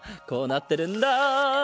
こうなってるんだ。